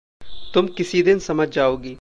तुम किसी दिन समझ जाओगी।